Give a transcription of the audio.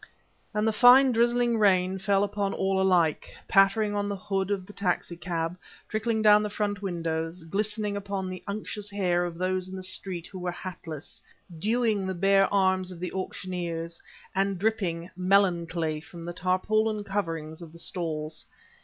And the fine drizzling rain fell upon all alike, pattering upon the hood of the taxi cab, trickling down the front windows; glistening upon the unctuous hair of those in the street who were hatless; dewing the bare arms of the auctioneers, and dripping, melancholy, from the tarpaulin coverings of the stalls.